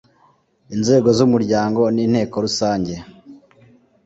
inzego z umuryango ni inteko rusange